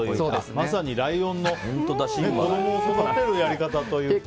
まさにライオンの子供を育てるやり方というか。